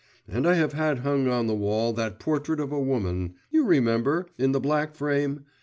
And I have had hung on the wall that portrait of a woman you remember, in the black frame?